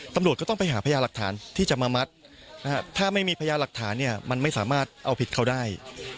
ตำรวจก็ต้องไปหาพยาหลักฐานที่จะมามัดถ้าไม่มีพยาหลักฐานเนี่ยมันไม่สามารถเอาผิดเขาได้